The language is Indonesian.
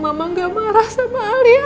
mama gak marah sama alia